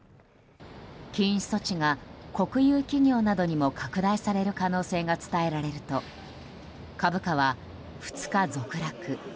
禁止措置が国有企業などにも拡大される可能性が伝えられると株価は２日続落。